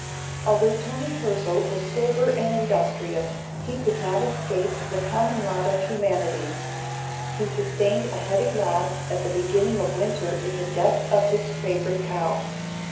Although Toni Hirzel was sober and industrious, he could not escape the common lot of humanity. He sustained a heavy loss at the beginning of winter in the death of his favorite cow.